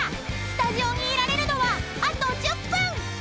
スタジオにいられるのはあと１０分！］